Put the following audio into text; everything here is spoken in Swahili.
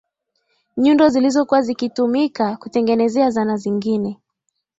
nyundo zilizokuwa zikitumika kutengenezea zana zingine